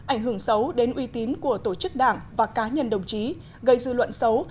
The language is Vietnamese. ảnh hưởng xấu đến uy tín của tổ chức đảng và cá nhân đồng chí gây dư luận xấu